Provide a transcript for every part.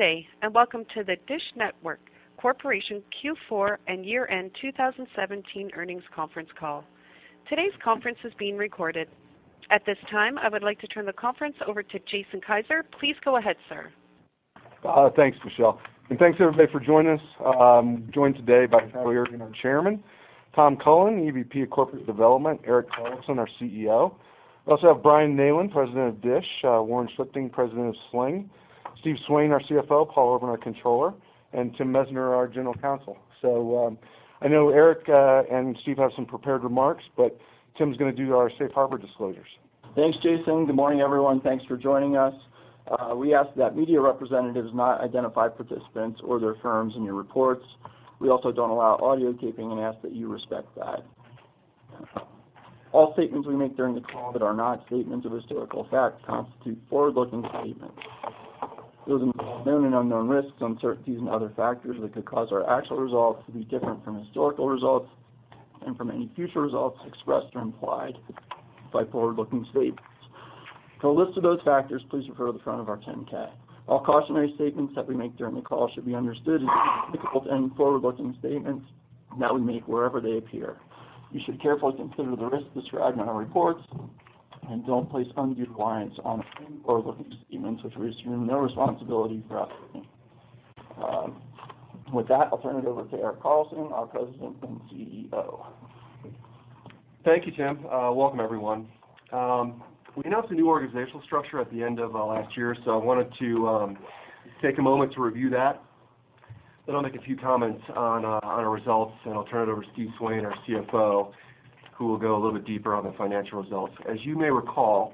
Good day, and welcome to the DISH Network Corporation Q4 and Year-End 2017 Earnings Conference Call. Today's conference is being recorded. At this time, I would like to turn the conference over to Jason Kiser. Please go ahead, sir. Thanks, Michelle. Thanks everybody for joining us. I'm joined today by Charlie Ergen, our Chairman, Tom Cullen, EVP of Corporate Development, Erik Carlson, our CEO. I also have Brian Neylon, President of DISH, Warren Schlichting, President of Sling, Steve Swain, our CFO, Paul Orban, our Controller, and Tim Messner, our General Counsel. I know Erik and Steve have some prepared remarks, but Tim's gonna do our safe harbor disclosures. Thanks, Jason. Good morning, everyone. Thanks for joining us. We ask that media representatives not identify participants or their firms in your reports. We also don't allow audio taping and ask that you respect that. All statements we make during the call that are not statements of historical fact constitute forward-looking statements. Those include known and unknown risks, uncertainties, and other factors that could cause our actual results to be different from historical results and from any future results expressed or implied by forward-looking statements. For a list of those factors, please refer to the front of our 10-K. All cautionary statements that we make during the call should be understood as applicable to any forward-looking statements that we make wherever they appear. You should carefully consider the risks described in our reports and don't place undue reliance on any forward-looking statements, which we assume no responsibility for updating. With that, I'll turn it over to Erik Carlson, our President and CEO. Thank you, Tim. Welcome everyone. We announced a new organizational structure at the end of last year, I wanted to take a moment to review that. I'll make a few comments on our results, I'll turn it over to Steve Swain, our CFO, who will go a little bit deeper on the financial results. As you may recall,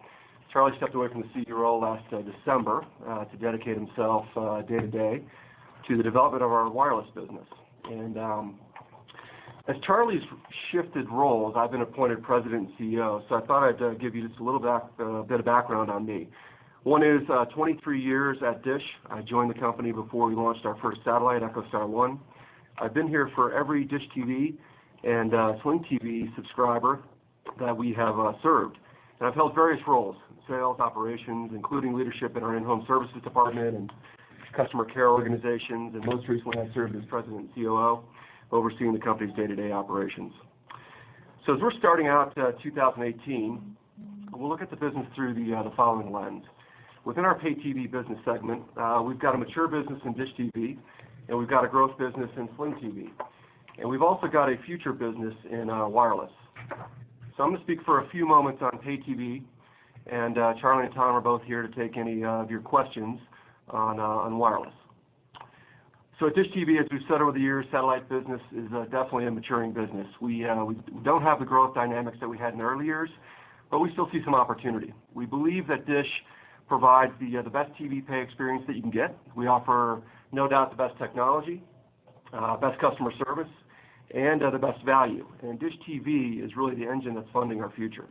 Charlie stepped away from the CEO role last December to dedicate himself day-to-day to the development of our wireless business. As Charlie's shifted roles, I've been appointed President and CEO. I thought I'd give you just a little bit of background on me. One is, 23 years at DISH. I joined the company before we launched our first satellite, EchoStar 1. I've been here for every DISH TV and Sling TV subscriber that we have served. I've held various roles, sales, operations, including leadership in our in-home services department and customer care organizations. Most recently, I served as president and COO, overseeing the company's day-to-day operations. As we're starting out, 2018, we'll look at the business through the following lens. Within our pay-TV business segment, we've got a mature business in DISH TV, and we've got a growth business in Sling TV. We've also got a future business in wireless. I'm gonna speak for a few moments on pay-TV, and Charlie and Tom are both here to take any of your questions on wireless. At DISH TV, as we've said over the years, satellite business is definitely a maturing business. We don't have the growth dynamics that we had in the early years, but we still see some opportunity. We believe that DISH provides the best TV pay experience that you can get. We offer no doubt the best technology, best customer service and the best value. DISH TV is really the engine that's funding our future.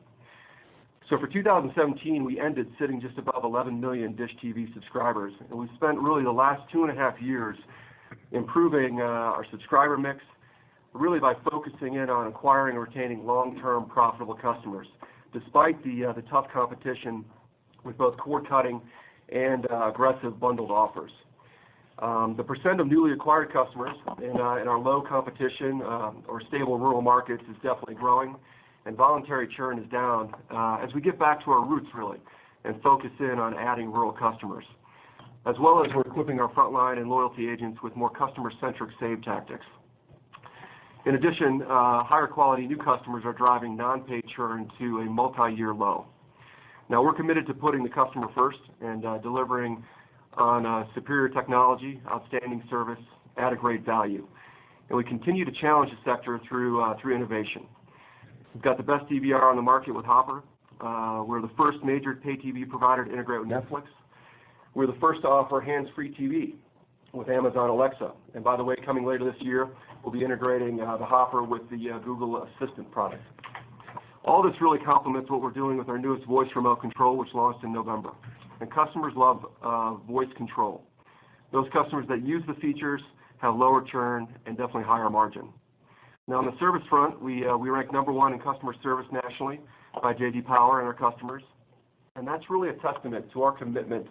For 2017, we ended sitting just above 11 million DISH TV subscribers, and we've spent really the last two and a half years improving our subscriber mix, really by focusing in on acquiring or retaining long-term profitable customers despite the tough competition with both cord-cutting and aggressive bundled offers. The percent of newly acquired customers in our low competition or stable rural markets is definitely growing and voluntary churn is down as we get back to our roots really and focus in on adding rural customers. As well as we're equipping our frontline and loyalty agents with more customer-centric save tactics. In addition, higher quality new customers are driving non-pay churn to a multi-year low. Now, we're committed to putting the customer first and delivering on superior technology, outstanding service at a great value. We continue to challenge the sector through innovation. We've got the best DVR on the market with Hopper. We're the first major pay-TV provider to integrate with Netflix. We're the first to offer hands-free TV with Amazon Alexa. By the way, coming later this year, we'll be integrating the Hopper with the Google Assistant product. All this really complements what we're doing with our newest voice remote control, which launched in November. Customers love voice control. Those customers that use the features have lower churn and definitely higher margin. Now, on the service front, we rank number one in customer service nationally by J.D. Power and our customers. That's really a testament to our commitment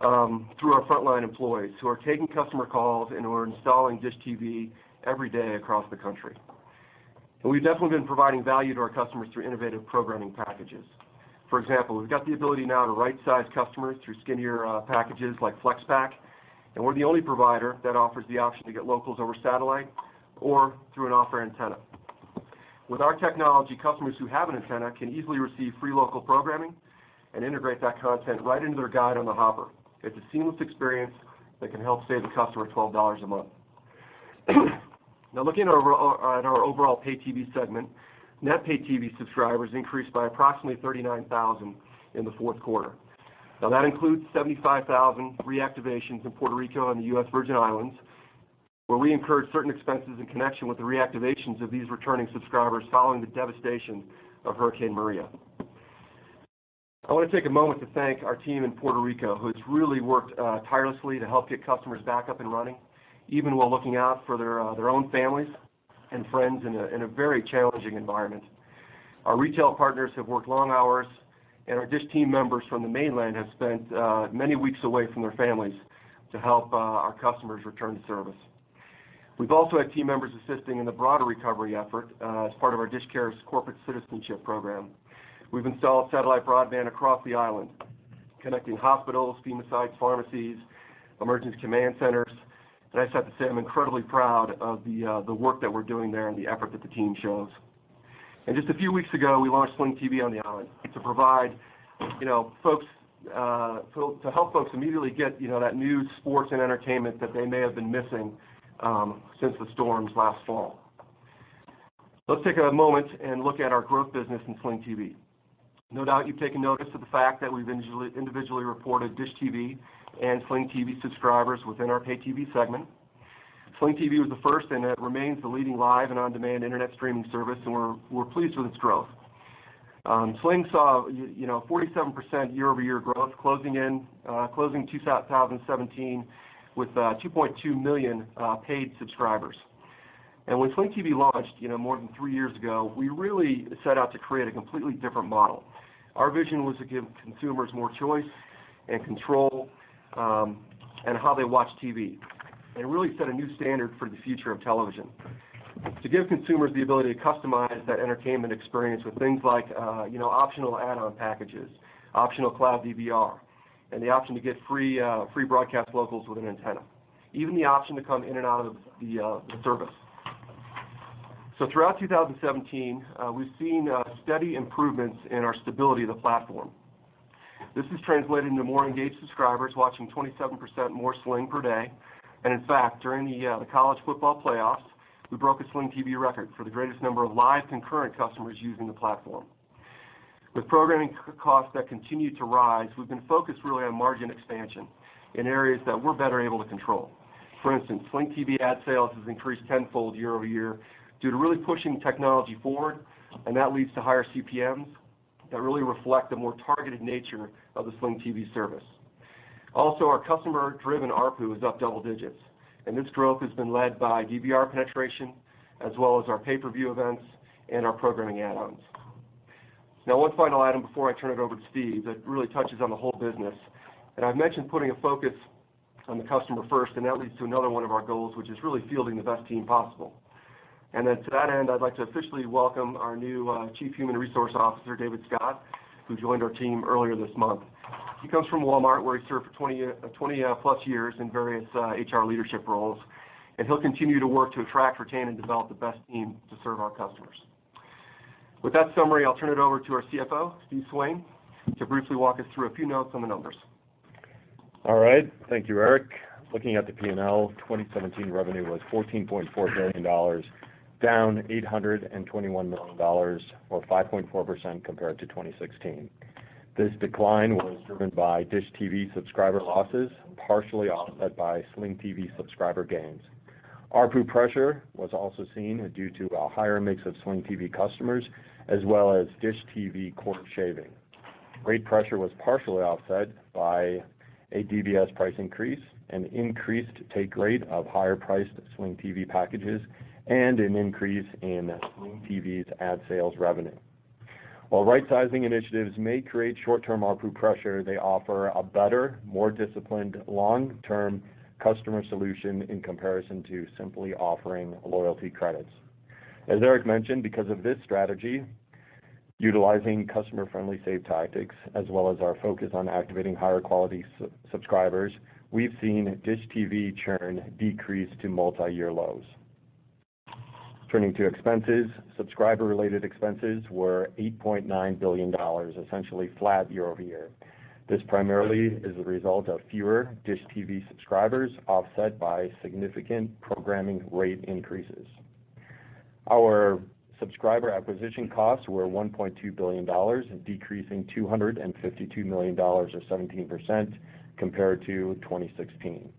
through our frontline employees who are taking customer calls and who are installing DISH TV every day across the country. We've definitely been providing value to our customers through innovative programming packages. For example, we've got the ability now to right-size customers through skinnier packages like Flex Pack. We're the only provider that offers the option to get locals over satellite or through an off-air antenna. With our technology, customers who have an antenna can easily receive free local programming and integrate that content right into their guide on the Hopper. It's a seamless experience that can help save a customer $12 a month. Looking on our overall pay-TV segment, net pay-TV subscribers increased by approximately 39,000 in the fourth quarter. That includes 75,000 reactivations in Puerto Rico and the U.S. Virgin Islands, where we incurred certain expenses in connection with the reactivations of these returning subscribers following the devastation of Hurricane Maria. I wanna take a moment to thank our team in Puerto Rico, who's really worked tirelessly to help get customers back up and running, even while looking out for their own families and friends in a very challenging environment. Our retail partners have worked long hours and our DISH team members from the mainland have spent many weeks away from their families to help our customers return to service. We've also had team members assisting in the broader recovery effort as part of our DISH Cares corporate citizenship program. We've installed satellite broadband across the island, connecting hospitals, FEMA sites, pharmacies, emergency command centers. I just have to say, I'm incredibly proud of the work that we're doing there and the effort that the team shows. Just a few weeks ago, we launched Sling TV on the island to provide, you know, folks to help folks immediately get, you know, that news, sports and entertainment that they may have been missing since the storms last fall. Let's take a moment and look at our growth business in Sling TV. No doubt you've taken notice of the fact that we've individually reported DISH TV and Sling TV subscribers within our pay-TV segment. Sling TV was the first and it remains the leading live and on-demand internet streaming service, and we're pleased with its growth. Sling saw you know, 47% year-over-year growth closing in, closing 2017 with 2.2 million paid subscribers. When Sling TV launched, you know, more than three years ago, we really set out to create a completely different model. Our vision was to give consumers more choice and control in how they watch TV, and really set a new standard for the future of television. To give consumers the ability to customize that entertainment experience with things like, you know, optional add-on packages, optional cloud DVR, and the option to get free broadcast locals with an antenna, even the option to come in and out of the service. Throughout 2017, we've seen steady improvements in our stability of the platform. This has translated into more engaged subscribers watching 27% more Sling per day. In fact, during the college football playoffs, we broke a Sling TV record for the greatest number of live concurrent customers using the platform. With programming costs that continue to rise, we've been focused really on margin expansion in areas that we're better able to control. For instance, Sling TV ad sales has increased tenfold year-over-year due to really pushing technology forward, and that leads to higher CPMs that really reflect the more targeted nature of the Sling TV service. Our customer-driven ARPU is up double digits, and this growth has been led by DVR penetration as well as our pay-per-view events and our programming add-ons. Now one final item before I turn it over to Steve that really touches on the whole business. I've mentioned putting a focus on the customer first, and that leads to another one of our goals, which is really fielding the best team possible. To that end, I'd like to officially welcome our new Chief Human Resources Officer, David Scott, who joined our team earlier this month. He comes from Walmart where he served for 20+ years in various HR leadership roles, and he'll continue to work to attract, retain and develop the best team to serve our customers. With that summary, I'll turn it over to our CFO, Steve Swain, to briefly walk us through a few notes on the numbers. All right. Thank you, Erik. Looking at the P&L, 2017 revenue was $14.4 billion, down $821 million or 5.4% compared to 2016. This decline was driven by DISH TV subscriber losses, partially offset by Sling TV subscriber gains. ARPU pressure was also seen due to a higher mix of Sling TV customers as well as DISH TV cord shaving. Rate pressure was partially offset by a DBS price increase, an increased take rate of higher priced Sling TV packages, and an increase in Sling TV's ad sales revenue. While rightsizing initiatives may create short-term ARPU pressure, they offer a better, more disciplined long-term customer solution in comparison to simply offering loyalty credits. As Erik mentioned, because of this strategy, utilizing customer-friendly save tactics as well as our focus on activating higher quality subscribers, we've seen DISH TV churn decrease to multi-year lows. Turning to expenses, subscriber-related expenses were $8.9 billion, essentially flat year-over-year. This primarily is a result of fewer DISH TV subscribers offset by significant programming rate increases. Our subscriber acquisition costs were $1.2 billion, decreasing $252 million or 17% compared to 2016.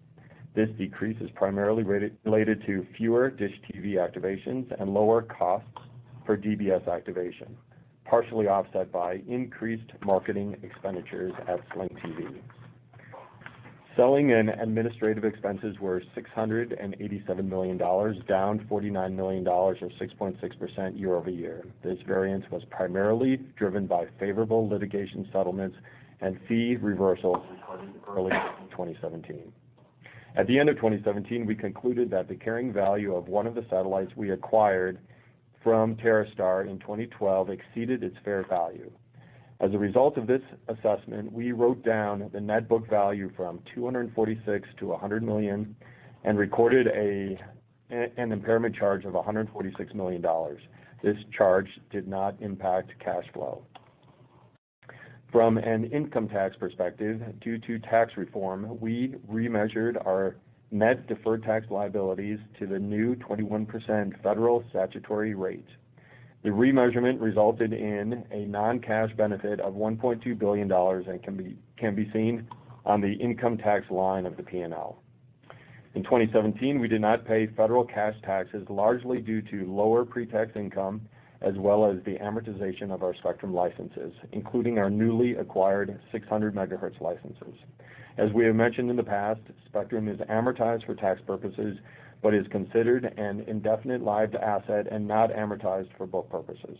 This decrease is primarily related to fewer DISH TV activations and lower costs for DBS activation, partially offset by increased marketing expenditures at Sling TV. Selling and administrative expenses were $687 million, down $49 million or 6.6% year-over-year. This variance was primarily driven by favorable litigation settlements and fee reversals recorded early in 2017. At the end of 2017, we concluded that the carrying value of one of the satellites we acquired from TerreStar in 2012 exceeded its fair value. As a result of this assessment, we wrote down the net book value from $246 million to $100 million and recorded an impairment charge of $146 million. This charge did not impact cash flow. From an income tax perspective, due to tax reform, we remeasured our net deferred tax liabilities to the new 21% federal statutory rate. The remeasurement resulted in a non-cash benefit of $1.2 billion and can be seen on the income tax line of the P&L. In 2017, we did not pay federal cash taxes largely due to lower pre-tax income as well as the amortization of our spectrum licenses, including our newly acquired 600 MHz licenses. As we have mentioned in the past, spectrum is amortized for tax purposes, but is considered an indefinite lived asset and not amortized for book purposes.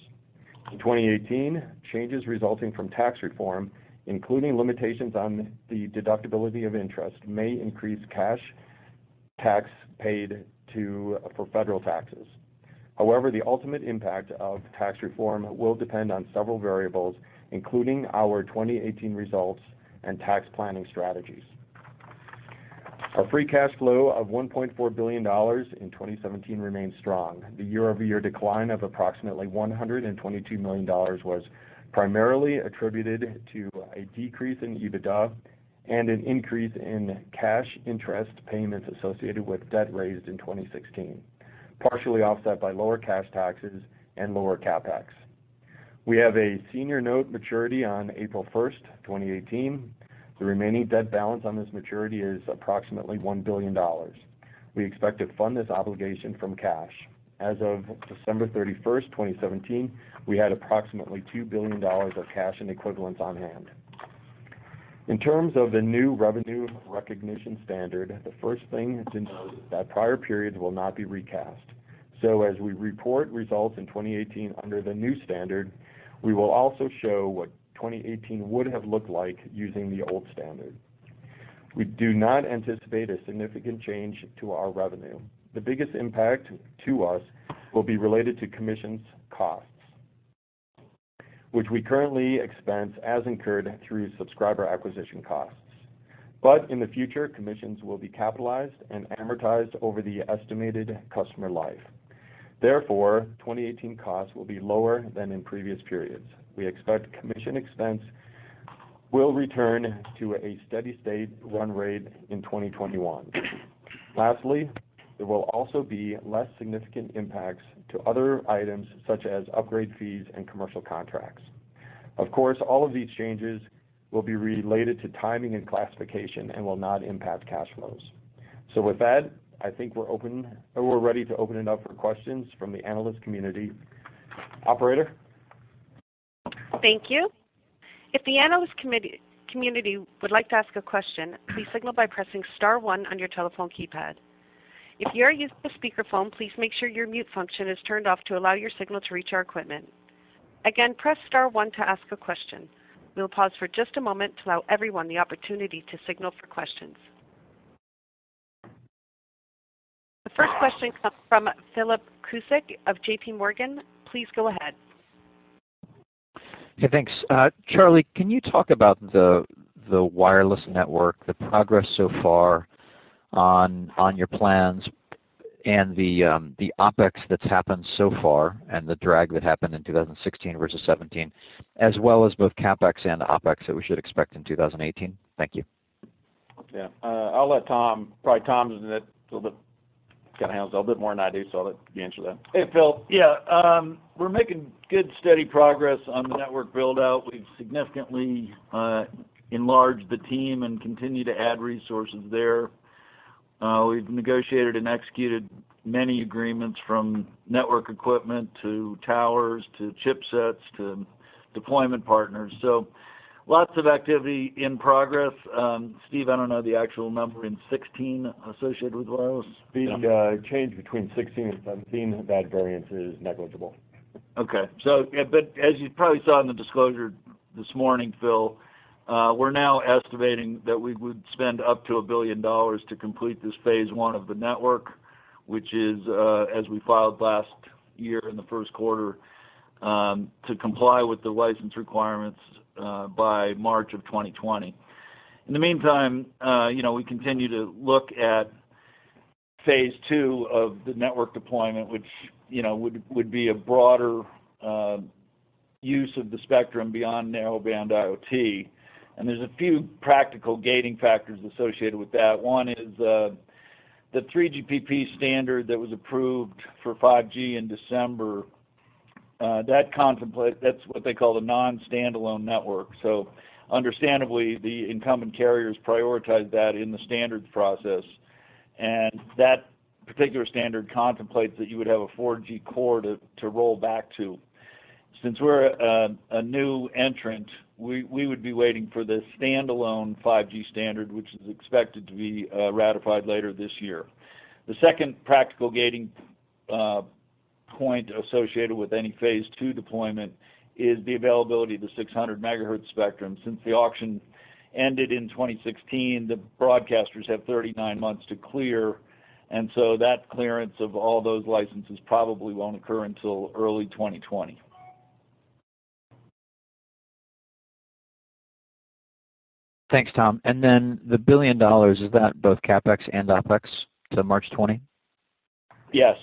In 2018, changes resulting from tax reform, including limitations on the deductibility of interest, may increase cash tax paid for federal taxes. However, the ultimate impact of tax reform will depend on several variables, including our 2018 results and tax planning strategies. Our free cash flow of $1.4 billion in 2017 remains strong. The year-over-year decline of approximately $122 million was primarily attributed to a decrease in EBITDA and an increase in cash interest payments associated with debt raised in 2016, partially offset by lower cash taxes and lower CapEx. We have a senior note maturity on April 1st, 2018. The remaining debt balance on this maturity is approximately $1 billion. We expect to fund this obligation from cash. As of December 31st, 2017, we had approximately $2 billion of cash and equivalents on hand. In terms of the new revenue recognition standard, the first thing to note is that prior periods will not be recast. As we report results in 2018 under the new standard, we will also show what 2018 would have looked like using the old standard. We do not anticipate a significant change to our revenue. The biggest impact to us will be related to commissions costs, which we currently expense as incurred through subscriber acquisition costs. In the future, commissions will be capitalized and amortized over the estimated customer life. Therefore, 2018 costs will be lower than in previous periods. We expect commission expense will return to a steady state run rate in 2021. Lastly, there will also be less significant impacts to other items such as upgrade fees and commercial contracts. Of course, all of these changes will be related to timing and classification and will not impact cash flows. With that, I think we're open or we're ready to open it up for questions from the analyst community. Operator? Thank you. If the analyst community would like to ask a question, please signal by pressing star one on your telephone keypad. If you are using a speakerphone, please make sure your mute function is turned off to allow your signal to reach our equipment. Again, press star one to ask a question. We'll pause for just a moment to allow everyone the opportunity to signal for questions. The first question comes from Philip Cusick of JPMorgan. Please go ahead. Okay, thanks. Charlie, can you talk about the wireless network, the progress so far on your plans and the OpEx that's happened so far and the drag that happened in 2016 versus 2017, as well as both CapEx and OpEx that we should expect in 2018? Thank you. Yeah, I'll let Tom, probably Tom's in it a little bit, kinda handles a little bit more than I do, so I'll let you answer that. Hey, Phil. Yeah, we're making good, steady progress on the network build-out. We've significantly enlarged the team and continue to add resources there. We've negotiated and executed many agreements from network equipment to towers to chipsets to deployment partners. Lots of activity in progress. Steve, I don't know the actual number in 16 associated with wireless. The change between 16 and 17, that variance is negligible. Okay. Yeah, as you probably saw in the disclosure this morning, Phil, we're now estimating that we would spend up to $1 billion to complete this phase one of the network, which is, as we filed last year in the first quarter, to comply with the license requirements by March of 2020. In the meantime, you know, we continue to look at phase two of the network deployment, which, would be a broader use of the spectrum beyond Narrowband IoT. There's a few practical gating factors associated with that. One is the 3GPP standard that was approved for 5G in December, that's what they call a non-standalone network. Understandably, the incumbent carriers prioritize that in the standard process. That particular standard contemplates that you would have a 4G core to roll back to. Since we're a new entrant, we would be waiting for the standalone 5G standard, which is expected to be ratified later this year. The second practical gating point associated with any phase two deployment is the availability of the 600 MHz spectrum. Since the auction ended in 2016, the broadcasters have 39 months to clear. That clearance of all those licenses probably won't occur until early 2020. Thanks, Tom. The $1 billion, is that both CapEx and OpEx to March 2020? Yes.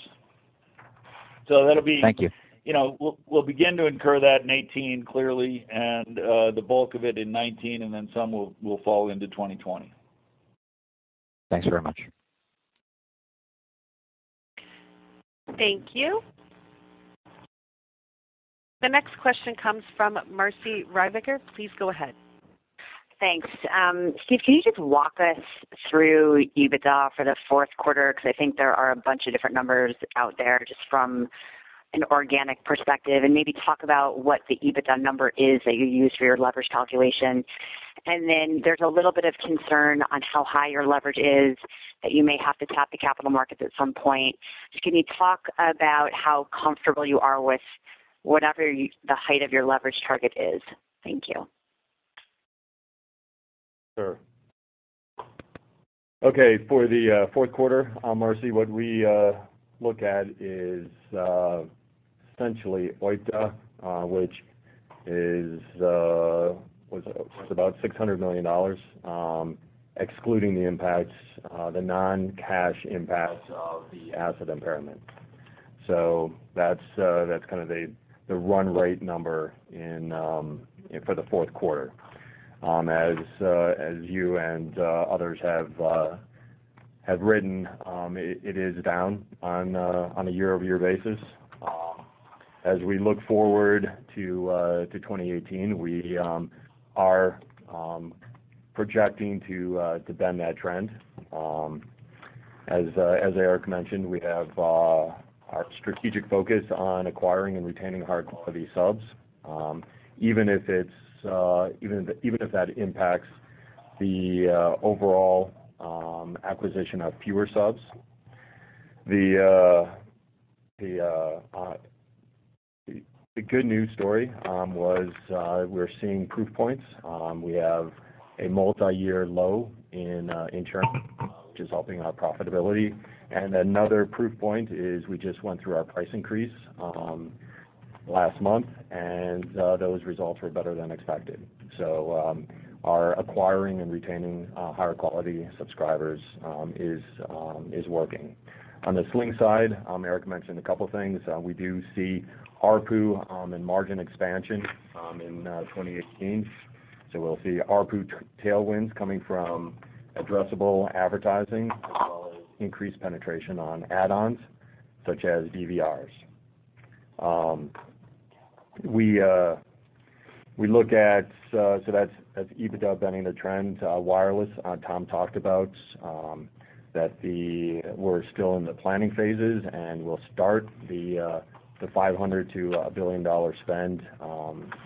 Thank you. You know, we'll begin to incur that in 2018, clearly, and the bulk of it in 2019, and then some will fall into 2020. Thanks very much. Thank you. The next question comes from Marci Ryvicker. Please go ahead. Thanks. Steve, can you just walk us through EBITDA for the fourth quarter? Because I think there are a bunch of different numbers out there just from an organic perspective and maybe talk about what the EBITDA number is that you use for your leverage calculation. There's a little bit of concern on how high your leverage is that you may have to tap the capital markets at some point. Just can you talk about how comfortable you are with whatever the height of your leverage target is? Thank you. For the fourth quarter, Marci, what we look at is essentially OIBDA, which was about $600 million, excluding the impacts, the non-cash impacts of the asset impairment. That's kind of the run rate number in for the fourth quarter. As you and others have written, it is down on a year-over-year basis. As we look forward to 2018, we are projecting to bend that trend. As Erik mentioned, we have our strategic focus on acquiring and retaining high-quality subs, even if that impacts the overall acquisition of fewer subs. The good news story was we're seeing proof points. We have a multiyear low in churn, which is helping our profitability. Another proof point is we just went through our price increase last month, and those results were better than expected. Our acquiring and retaining higher quality subscribers is working. On the Sling side, Erik mentioned a couple things. We do see ARPU and margin expansion in 2018. We'll see ARPU tailwinds coming from addressable advertising as well as increased penetration on add-ons such as DVRs. We look at, so that's EBITDA bending the trend to wireless. Tom talked about that we're still in the planning phases, we'll start the $500 million to $1 billion spend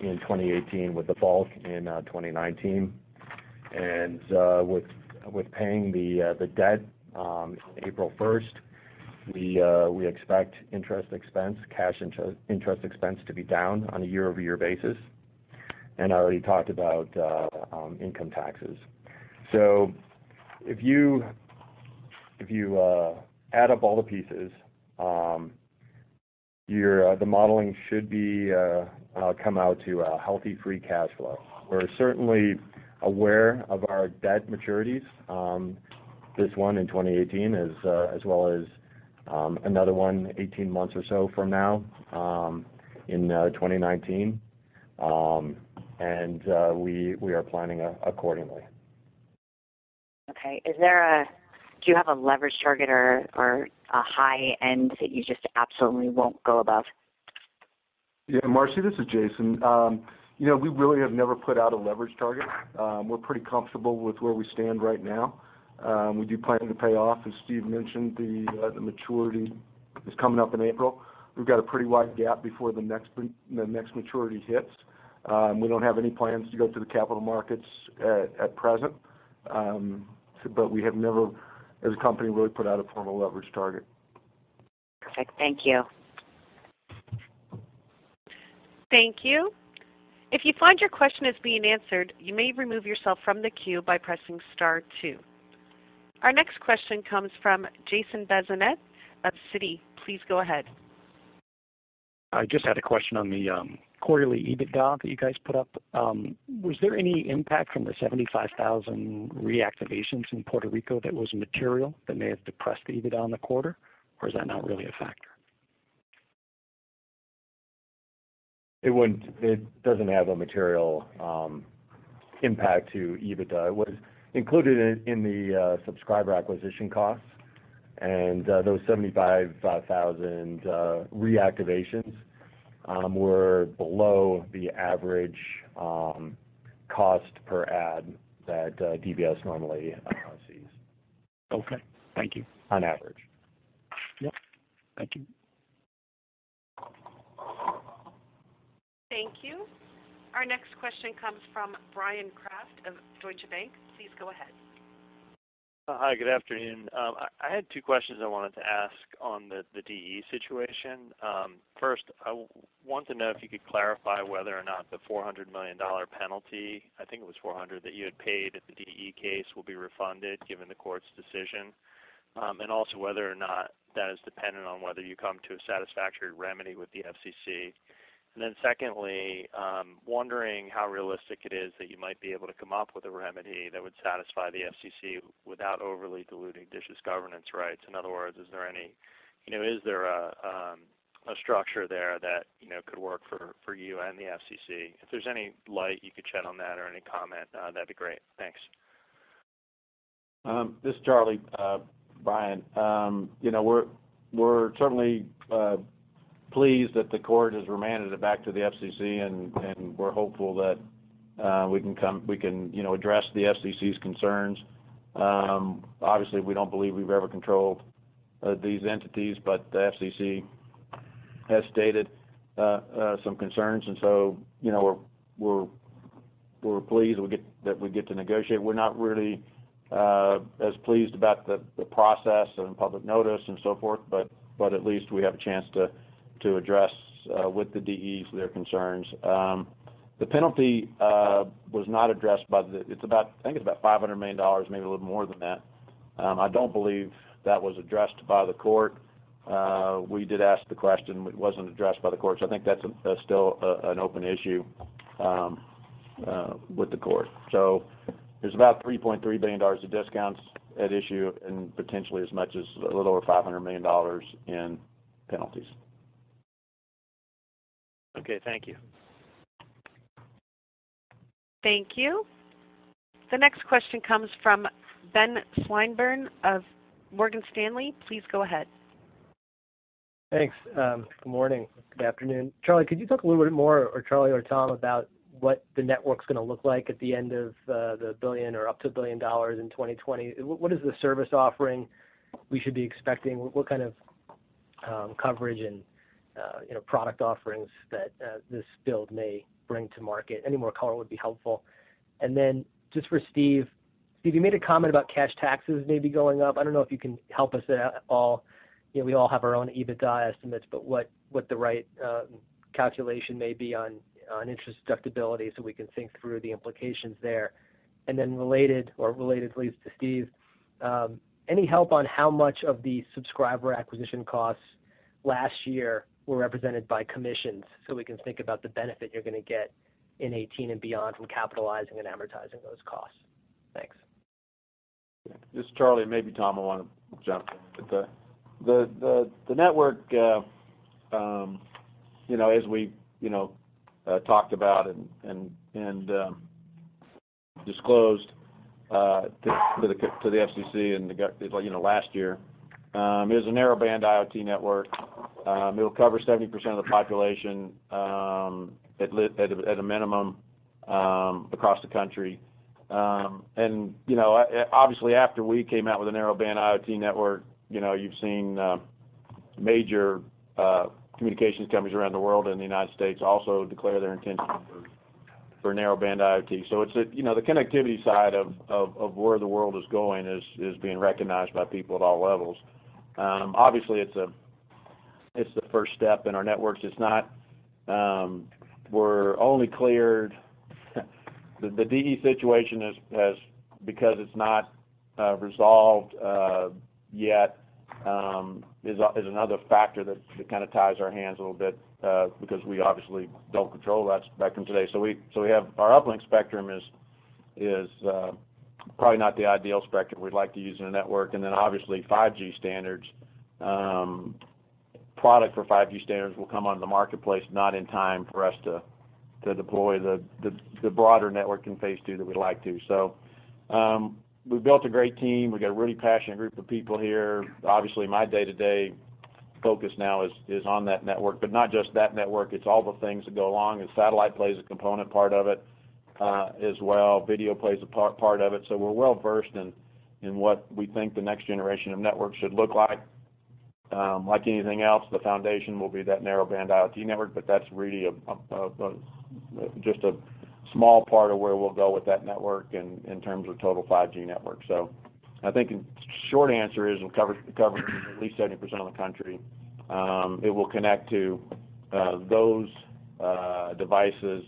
in 2018 with the bulk in 2019. With paying the debt April 1st, we expect interest expense, cash interest expense to be down on a year-over-year basis. I already talked about income taxes. If you add up all the pieces, your modeling should be come out to a healthy free cash flow. We're certainly aware of our debt maturities, this one in 2018 as well as another one 18 months or so from now in 2019. We are planning accordingly. Okay. Do you have a leverage target or a high end that you just absolutely won't go above? Yeah, Marci, this is Jason. You know, we really have never put out a leverage target. We're pretty comfortable with where we stand right now. We do plan to pay off, as Steve mentioned, the maturity is coming up in April. We've got a pretty wide gap before the next maturity hits. We don't have any plans to go to the capital markets at present. We have never, as a company, really put out a formal leverage target. Perfect. Thank you. Thank you. If you find your question is being answered, you may remove yourself from the queue by pressing star two. Our next question comes from Jason Bazinet of Citi. Please go ahead. I just had a question on the quarterly EBITDA that you guys put up. Was there any impact from the 75,000 reactivations in Puerto Rico that was material that may have depressed the EBITDA on the quarter, or is that not really a factor? It wouldn't. It doesn't have a material impact to EBITDA. It was included in the subscriber acquisition costs. Those 75,000 reactivations were below the average cost per add that DBS normally sees. Okay. Thank you. On average. Yep. Thank you. Thank you. Our next question comes from Bryan Kraft of Deutsche Bank. Please go ahead. Hi, good afternoon. I had two questions I wanted to ask on the DE situation. First, I want to know if you could clarify whether or not the $400 million penalty, I think it was $400 million, that you had paid at the DE case will be refunded given the court's decision. Also whether or not that is dependent on whether you come to a satisfactory remedy with the FCC. Secondly, wondering how realistic it is that you might be able to come up with a remedy that would satisfy the FCC without overly diluting DISH's governance rights. In other words, is there any, you know, is there a structure there that, you know, could work for you and the FCC? If there's any light you could shed on that or any comment, that'd be great. Thanks. This is Charlie. Bryan, you know, we're certainly pleased that the court has remanded it back to the FCC, and we're hopeful that we can, you know, address the FCC's concerns. Obviously, we don't believe we've ever controlled these entities, the FCC has stated some concerns. You know, we're pleased that we get to negotiate. We're not really as pleased about the process and public notice and so forth, but at least we have a chance to address with the DEs their concerns. The penalty was not addressed by the—I think it's about $500 million, maybe a little more than that. I don't believe that was addressed by the court. We did ask the question, it wasn't addressed by the court, so I think that's still an open issue with the court. There's about $3.3 billion of discounts at issue and potentially as much as a little over $500 million in penalties. Okay, thank you. Thank you. The next question comes from Ben Swinburne of Morgan Stanley. Please go ahead. Thanks. Good morning, good afternoon. Charlie, could you talk a little bit more, or Charlie or Tom, about what the network's gonna look like at the end of $1 billion or up to $1 billion in 2020? What, what is the service offering we should be expecting? What, what kind of coverage and, you know, product offerings that this build may bring to market? Any more color would be helpful. Just for Steve. Steve, you made a comment about cash taxes maybe going up. I don't know if you can help us at all. You know, we all have our own EBITDA estimates, but what the right calculation may be on interest deductibility, so we can think through the implications there. Related at least to Steve, any help on how much of the subscriber acquisition costs last year were represented by commissions so we can think about the benefit you're gonna get in 2018 and beyond from capitalizing and amortizing those costs? Thanks. This is Charlie, and maybe Tom will wanna jump in. The network, you know, as we, you know, talked about and disclosed, to the FCC and the gov-- you know, last year, is a Narrowband IoT network. It'll cover 70% of the population, at a minimum, across the country. And, you know, obviously, after we came out with a Narrowband IoT network, you know, you've seen major communications companies around the world and the United States also declare their intention for Narrowband IoT. It's a, you know, the connectivity side of where the world is going is being recognized by people at all levels. Obviously, it's the first step in our networks. It's not, we're only cleared the DE situation has, because it's not resolved yet, is another factor that kinda ties our hands a little bit, because we obviously don't control that spectrum today. Our uplink spectrum is probably not the ideal spectrum we'd like to use in a network. Obviously, 5G standards, product for 5G standards will come onto the marketplace not in time for us to deploy the broader network in phase two that we'd like to. We've built a great team. We got a really passionate group of people here. Obviously, my day-to-day focus now is on that network, but not just that network, it's all the things that go along, and satellite plays a component part of it as well. Video plays a part of it. We're well-versed in what we think the next generation of networks should look like. Like anything else, the foundation will be that Narrowband IoT network, but that's really a just a small part of where we'll go with that network in terms of total 5G network. I think in short answer is it'll cover at least 70% of the country. It will connect to those devices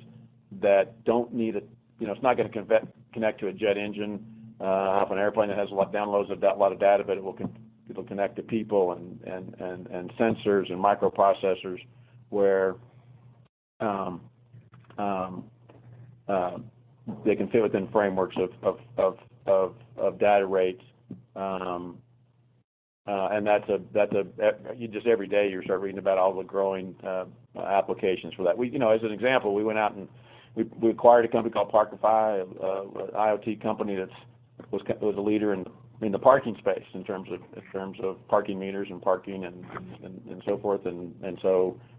that don't need a you know, it's not gonna connect to a jet engine off an airplane that has a lot of downloads, a lot of data, but it will connect to people and sensors and microprocessors where they can fit within frameworks of data rates. That's a, you just every day you start reading about all the growing applications for that. We, you know, as an example, we went out and we acquired a company called ParkiFi, a IoT company that was a leader in the parking space in terms of parking meters and parking and so forth.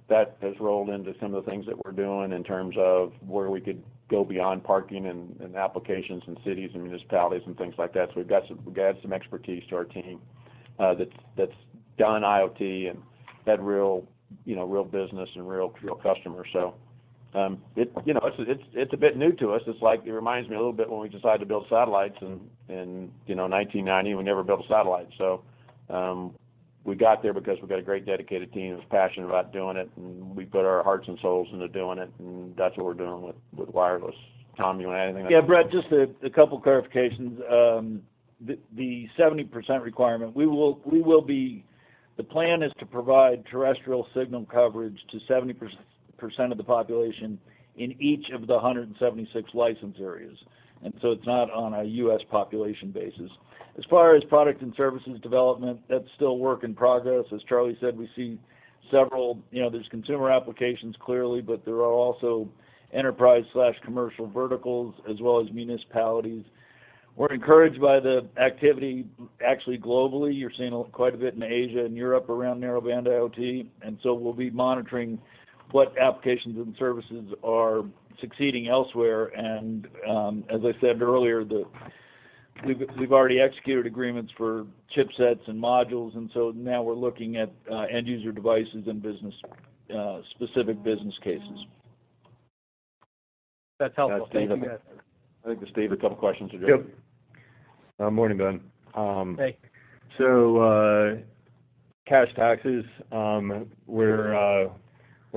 That has rolled into some of the things that we're doing in terms of where we could go beyond parking and applications in cities and municipalities and things like that. We've got some, we've added some expertise to our team that's done IoT and had real, you know, real business and real customers. It, you know, it's a bit new to us. It's like, it reminds me a little bit when we decided to build satellites in, you know, 1990, we never built a satellite. We got there because we've got a great dedicated team that's passionate about doing it, and we put our hearts and souls into doing it, and that's what we're doing with wireless. Tom, you want to add anything else? Brett, just a couple clarifications. The 70% requirement, the plan is to provide terrestrial signal coverage to 70% of the population in each of the 176 license areas. It's not on a U.S. population basis. As far as product and services development, that's still a work in progress. As Charlie said, we see several, you know, there's consumer applications clearly, but there are also enterprise/commercial verticals as well as municipalities. We're encouraged by the activity actually globally. You're seeing quite a bit in Asia and Europe around Narrowband IoT, we'll be monitoring what applications and services are succeeding elsewhere. As I said earlier. We've already executed agreements for chipsets and modules, and so now we're looking at end user devices and business specific business cases. That's helpful. Thank you. Yeah, Steve, I think there's Steve a couple questions addressed. Yep. Morning, Ben. Hey. Cash taxes,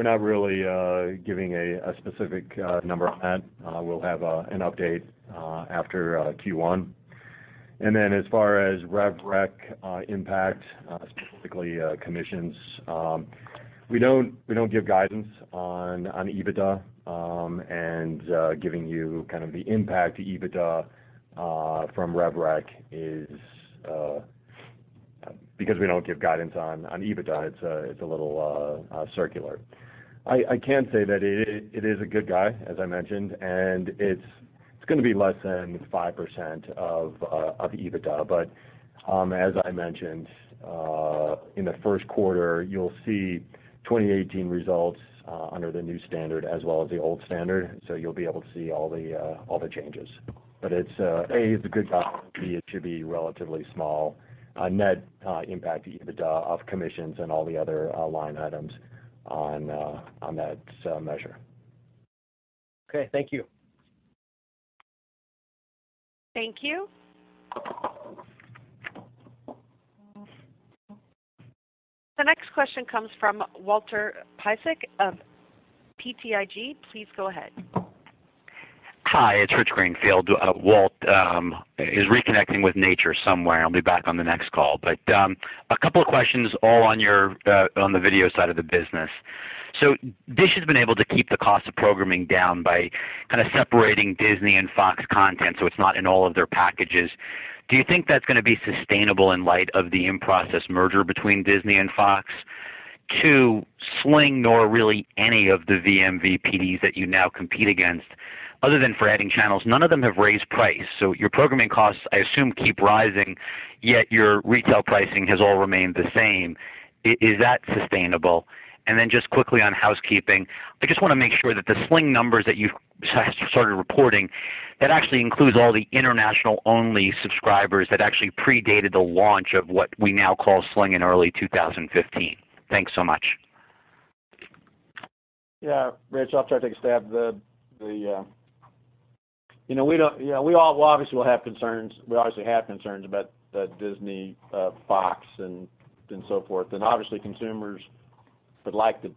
we're not really giving a specific number on that. We'll have an update after Q1. As far as rev rec impact, specifically commissions, we don't give guidance on EBITDA. Giving you kind of the impact to EBITDA from rev rec is because we don't give guidance on EBITDA, it's a little circular. I can say that it is a good guy, as I mentioned, and it's going to be less than 5% of EBITDA. As I mentioned, in the first quarter, you'll see 2018 results under the new standard as well as the old standard. You'll be able to see all the, all the changes. It's A, it's a good guide, B, it should be relatively small, net impact to EBITDA of commissions and all the other line items on that measure. Okay. Thank you. Thank you. The next question comes from Walter Piecyk of BTIG. Please go ahead. Hi, it's Rich Greenfield. Walt is reconnecting with nature somewhere. He'll be back on the next call. A couple of questions all on your on the video side of the business. DISH has been able to keep the cost of programming down by kind of separating Disney and Fox content, so it's not in all of their packages. Do you think that's gonna be sustainable in light of the in-process merger between Disney and Fox? Two, Sling, nor really any of the vMVPDs that you now compete against, other than for adding channels, none of them have raised price. Your programming costs, I assume, keep rising, yet your retail pricing has all remained the same. Is that sustainable? Just quickly on housekeeping, I just wanna make sure that the Sling numbers that you've started reporting, that actually includes all the international only subscribers that actually predated the launch of what we now call Sling in early 2015. Thanks so much. Yeah, Rich, I'll try to take a stab. The, you know, we all obviously will have concerns. We obviously have concerns about Disney, Fox, and so forth. Obviously, consumers would like to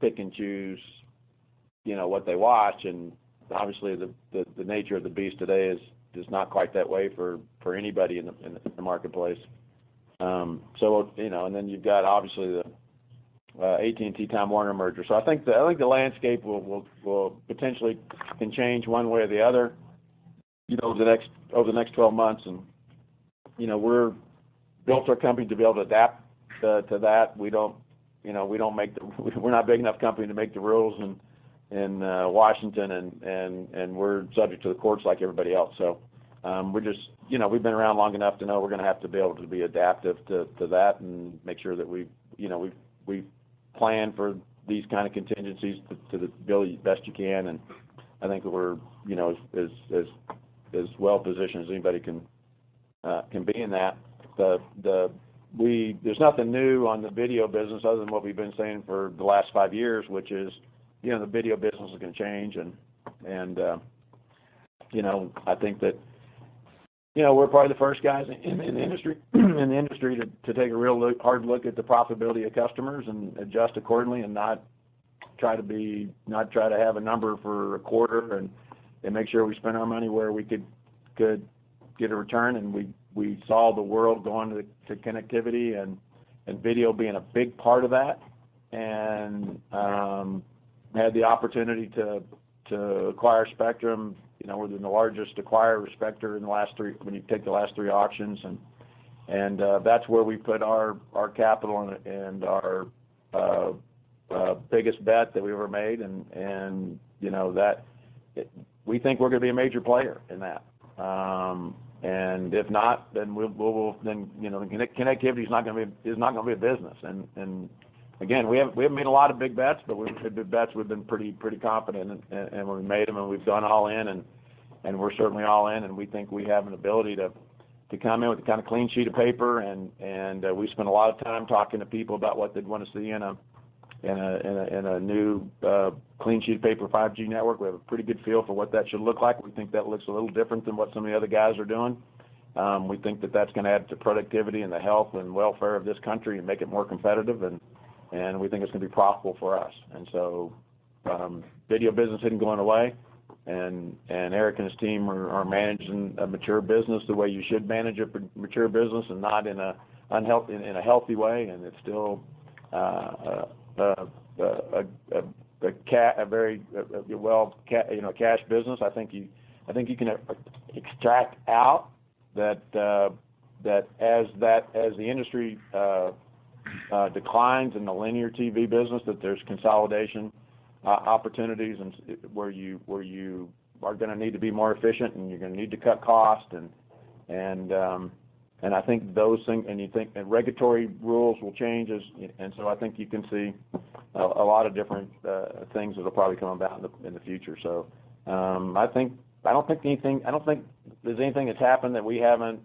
pick and choose, you know, what they watch. Obviously, the nature of the beast today is just not quite that way for anybody in the marketplace. You know, you've got obviously the AT&T-Time Warner merger. I think the landscape will potentially can change one way or the other, you know, over the next 12 months. You know, we're built our company to be able to adapt to that. We're not big enough company to make the rules in Washington, and we're subject to the courts like everybody else. We're just, you know, we've been around long enough to know we're gonna have to be able to be adaptive to that and make sure that we, you know, we plan for these kind of contingencies to the ability best you can. I think we're, you know, as well positioned as anybody can be in that. There's nothing new on the video business other than what we've been saying for the last five years, which is, you know, the video business is gonna change. You know, I think that, you know, we're probably the first guys in the industry to take a hard look at the profitability of customers and adjust accordingly and not try to have a number for a quarter and make sure we spend our money where we could get a return. We saw the world going to connectivity and video being a big part of that. Had the opportunity to acquire Spectrum. You know, we've been the largest acquirer of Spectrum in the last three when you take the last three auctions, that's where we put our capital and our biggest bet that we ever made. You know, that we think we're gonna be a major player in that. If not, then we'll Then, you know, connectivity is not gonna be a business. Again, we have made a lot of big bets, but the bets we've been pretty confident in, when we made them, we've gone all in, and we're certainly all in. We think we have an ability to come in with a kind of clean sheet of paper, and we spent a lot of time talking to people about what they'd want to see in a new clean sheet of paper 5G network. We have a pretty good feel for what that should look like. We think that looks a little different than what some of the other guys are doing. We think that that's gonna add to productivity and the health and welfare of this country and make it more competitive, and we think it's gonna be profitable for us. Video business isn't going away, and Erik and his team are managing a mature business the way you should manage a mature business and not in a unhealthy in a healthy way. It's still a very, a well, you know, cash business. I think you can extract out that as the industry declines in the linear TV business, that there's consolidation opportunities where you are gonna need to be more efficient, and you're gonna need to cut cost. I think those things and you think that regulatory rules will change as, I think you can see a lot of different things that'll probably come about in the future. I don't think there's anything that's happened that we haven't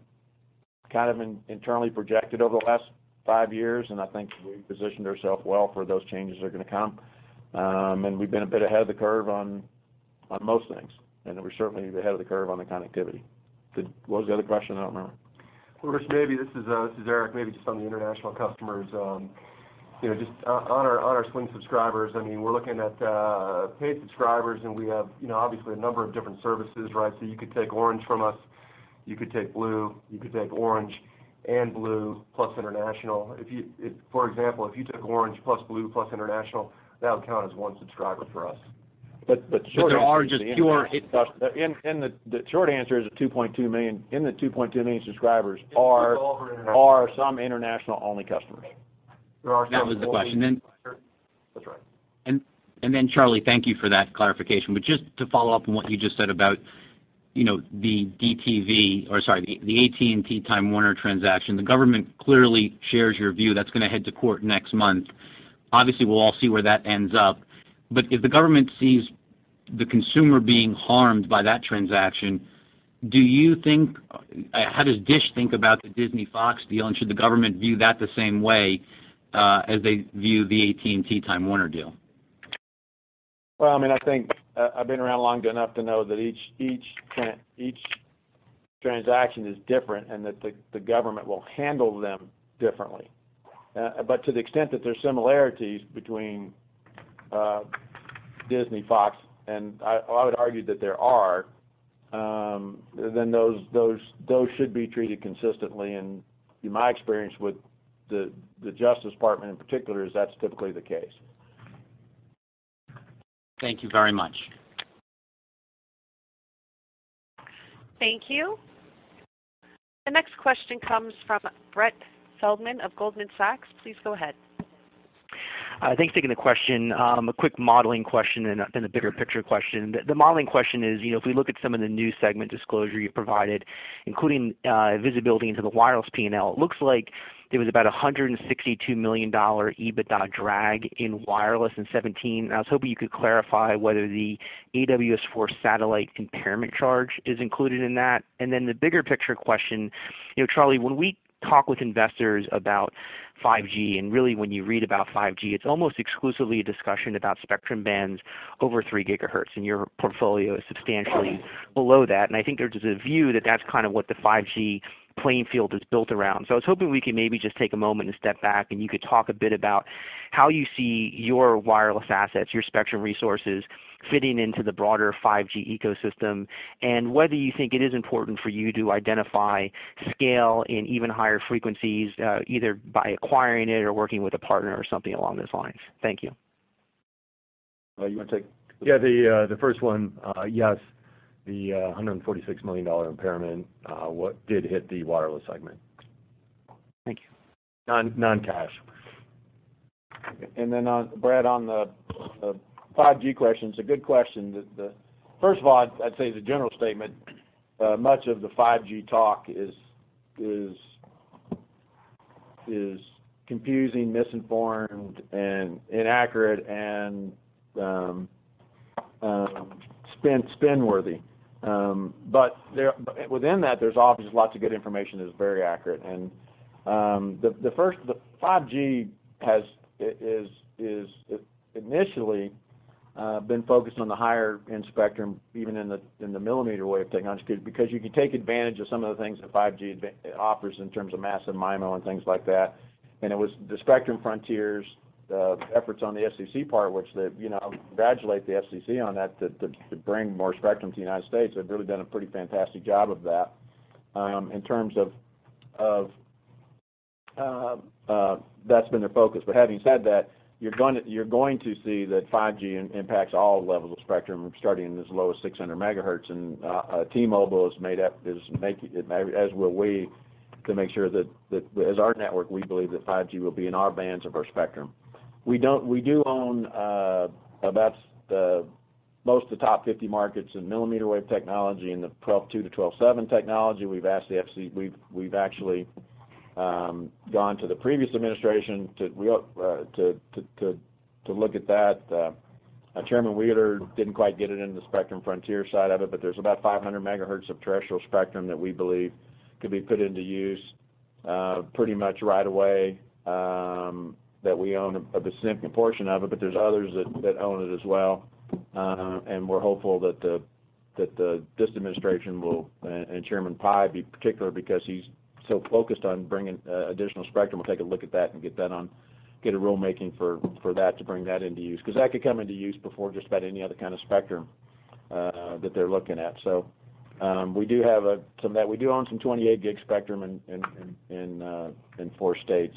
kind of internally projected over the last five years, and I think we've positioned ourselves well for those changes that are gonna come. We've been a bit ahead of the curve on most things, and we're certainly ahead of the curve on the connectivity. What was the other question? I don't remember. Well, Rich, maybe, this is, this is Erik. Maybe just on the international customers. you know, just on our, on our Sling subscribers, I mean, we're looking at paid subscribers, and we have, you know, obviously a number of different services, right? You could take Orange from us, you could take Blue, you could take Orange and Blue plus international. If, for example, if you took Orange plus Blue plus international, that would count as one subscriber for us. Short answer. There are just pure. The short answer is the 2.2 million subscribers are some international only customers. There are some- That was the question. That's right. Then Charlie, thank you for that clarification. Just to follow up on what you just said about, you know, the DTV or sorry, the AT&T-Time Warner transaction. The government clearly shares your view. That's going to head to court next month. Obviously, we'll all see where that ends up. If the government sees the consumer being harmed by that transaction, do you think, how does DISH think about the Disney Fox deal? Should the government view that the same way as they view the AT&T-Time Warner deal? Well, I mean, I think, I've been around long enough to know that each transaction is different and that the government will handle them differently. To the extent that there's similarities between Disney Fox and I would argue that there are, then those should be treated consistently. In my experience with the Justice Department in particular, is that's typically the case. Thank you very much. Thank you. The next question comes from Brett Feldman of Goldman Sachs. Please go ahead. Thanks for taking the question. A quick modeling question and a bigger picture question. The modeling question is, you know, if we look at some of the new segment disclosure you provided, including visibility into the wireless P&L, it looks like there was about a $162 million EBITDA drag in wireless in 2017. I was hoping you could clarify whether the AWS-4 satellite impairment charge is included in that. The bigger picture question, you know, Charlie, when we talk with investors about 5G and really when you read about 5G, it's almost exclusively a discussion about spectrum bands over 3 GHz, and your portfolio is substantially below that. I think there's a view that that's kind of what the 5G playing field is built around. I was hoping we could maybe just take a moment and step back and you could talk a bit about how you see your wireless assets, your spectrum resources fitting into the broader 5G ecosystem, and whether you think it is important for you to identify scale in even higher frequencies, either by acquiring it or working with a partner or something along those lines. Thank you. You wanna take it? Yeah, the first one, yes, the $146 million impairment, what did hit the wireless segment. Thank you. Non-non-cash. Brett, on the 5G question, it's a good question. First of all, I'd say as a general statement, much of the 5G talk is confusing, misinformed and inaccurate and spin worthy. Within that, there's obviously lots of good information that's very accurate. The 5G has is initially been focused on the higher end spectrum, even in the millimeter wave technology, because you can take advantage of some of the things that 5G offers in terms of massive MIMO and things like that. It was the Spectrum Frontiers, the efforts on the FCC part, which that, you know, congratulate the FCC on that to bring more spectrum to the United States. They've really done a pretty fantastic job of that. In terms of that's been their focus. Having said that, you're gonna, you're going to see that 5G impacts all levels of spectrum, starting as low as 600 MHz. T-Mobile has made up, is making, as will we, to make sure that as our network, we believe that 5G will be in our bands of our spectrum. We do own about the most of the top 50 markets in millimeter wave technology in the 12.2 to 12.7 GHz technology. We've asked the FCC. We've actually gone to the previous administration to look at that. Chairman Wheeler didn't quite get it into the Spectrum Frontiers side of it, but there's about 500 MHz of terrestrial spectrum that we believe could be put into use pretty much right away that we own a significant portion of it, but there's others that own it as well. We're hopeful that this administration will, and Chairman Pai be particular because he's so focused on bringing additional spectrum. We'll take a look at that and get a rulemaking for that to bring that into use, because that could come into use before just about any other kind of spectrum that they're looking at. We do own some 28 gig spectrum in four states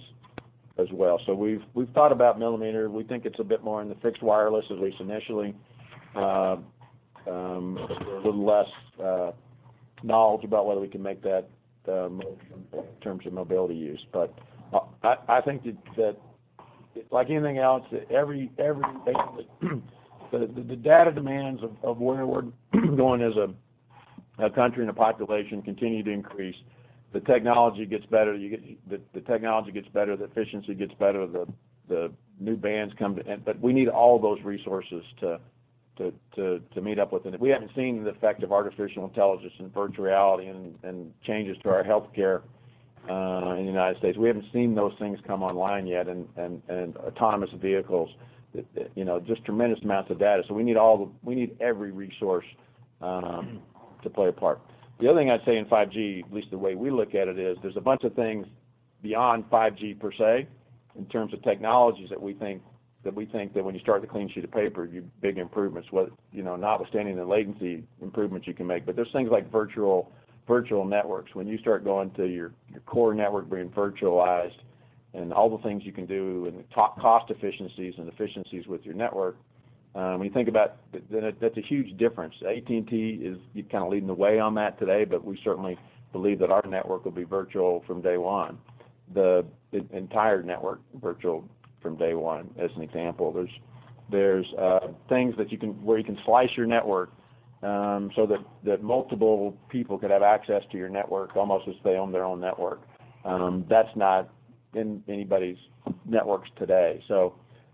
as well. We've thought about millimeter. We think it's a bit more in the fixed wireless, at least initially. A little less knowledge about whether we can make that in terms of mobility use. I think that it's like anything else that every day that the data demands of where we're going as a country and a population continue to increase, the technology gets better, the technology gets better, the efficiency gets better, the new bands come to end. We need all those resources to meet up with it. We haven't seen the effect of artificial intelligence and virtual reality and changes to our healthcare in the United States. We haven't seen those things come online yet and autonomous vehicles, you know, just tremendous amounts of data. We need every resource to play a part. The other thing I'd say in 5G, at least the way we look at it, is there's a bunch of things beyond 5G per se, in terms of technologies that we think that when you start the clean sheet of paper, big improvements, whether, you know, notwithstanding the latency improvements you can make. There's things like virtual networks. When you start going to your core network being virtualized and all the things you can do and cost efficiencies and efficiencies with your network, when you think about that's a huge difference. AT&T is kind of leading the way on that today, but we certainly believe that our network will be virtual from day one. The entire network virtual from day one, as an example. There's things where you can slice your network so that multiple people could have access to your network almost as they own their own network. That's not in anybody's networks today.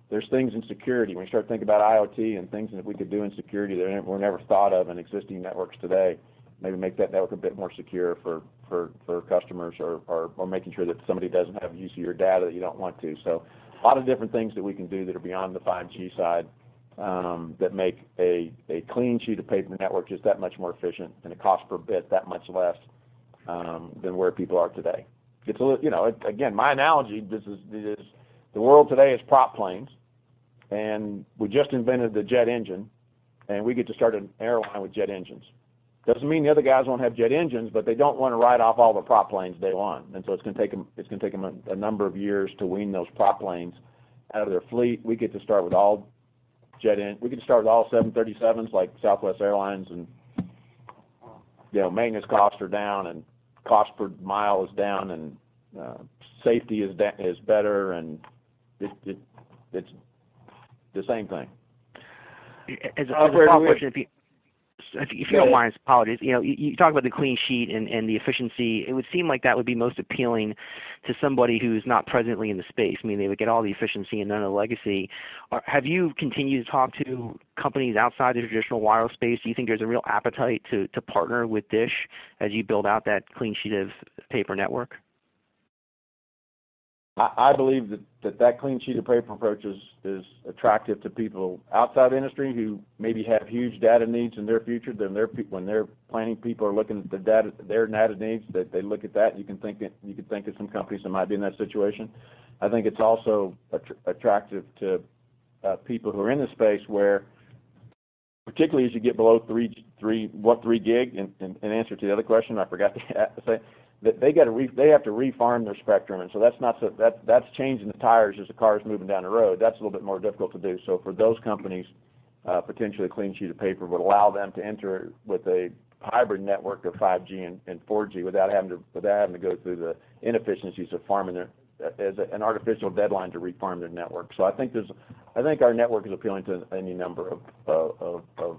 There's things in security. When you start to think about IoT and things that we could do in security that were never thought of in existing networks today, maybe make that network a bit more secure for customers or making sure that somebody doesn't have use of your data that you don't want to. A lot of different things that we can do that are beyond the 5G side that make a clean sheet of paper network just that much more efficient and a cost per bit that much less than where people are today. It's a little, you know, again, my analogy, it is the world today is prop planes, and we just invented the jet engine, and we get to start an airline with jet engines. Doesn't mean the other guys won't have jet engines, but they don't want to write off all the prop planes day one. It's gonna take them, it's gonna take them a number of years to wean those prop planes out of their fleet. We get to start with all 737s like Southwest Airlines. You know, maintenance costs are down and cost per mile is down and safety is better and it's the same thing. As a follow-up question. Yeah. If you don't mind, apologies. You know, you talk about the clean sheet and the efficiency. It would seem like that would be most appealing to somebody who's not presently in the space. I mean, they would get all the efficiency and none of the legacy. Have you continued to talk to companies outside the traditional wireless space? Do you think there's a real appetite to partner with DISH as you build out that clean sheet of paper network? I believe that clean sheet of paper approach is attractive to people outside the industry who maybe have huge data needs in their future when their planning people are looking at the data, their data needs, that they look at that, and you can think of some companies that might be in that situation. I think it's also attractive to people who are in the space where, particularly as you get below 3 gig, in answer to the other question I forgot to say, that they have to refarm their spectrum. That's changing the tires as the car is moving down the road. That's a little bit more difficult to do. For those companies, potentially a clean sheet of paper would allow them to enter with a hybrid network of 5G and 4G without having to go through the inefficiencies of an artificial deadline to refarm their network. I think our network is appealing to any number of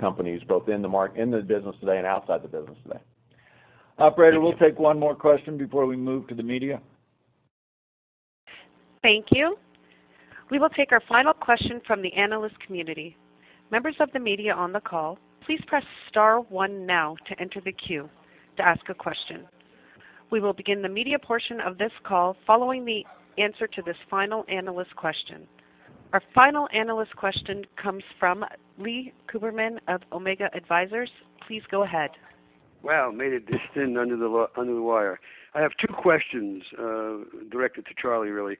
companies both in the business today and outside the business today. Thank you. Operator, we'll take one more question before we move to the media. Thank you. We will take our final question from the analyst community. Members of the media on the call, please press star one now to enter the queue to ask a question. We will begin the media portion of this call following the answer to this final analyst question. Our final analyst question comes from Lee Cooperman of Omega Advisors. Please go ahead. Wow, made it this in under the wire. I have two questions, directed to Charlie, really.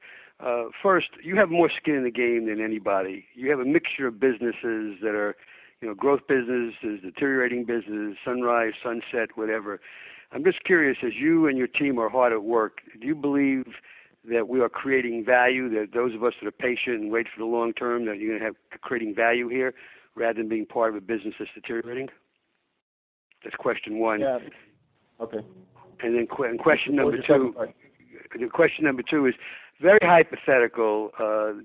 First, you have more skin in the game than anybody. You have a mixture of businesses that are, you know, growth businesses, deteriorating businesses, sunrise, sunset, whatever. I'm just curious, as you and your team are hard at work, do you believe that we are creating value, that those of us that are patient and wait for the long term, that you're gonna have creating value here rather than being part of a business that's deteriorating? That's question one. Yeah. Okay. Question number two. What was the second part? Question number two is very hypothetical.